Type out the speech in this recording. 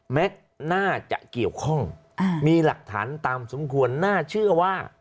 น่าจะเกี่ยวข้องมีหลักฐานตามสมควรน่าเชื่อว่า